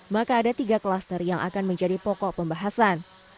maka ada tiga kluster yang akan menjadi pokok pembahasan